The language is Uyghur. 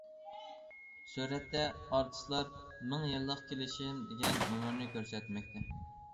سۈرەتتە ئارتىسلار« مىڭ يىللىق كېلىشىم» دېگەن نومۇرنى كۆرسەتمەكتە.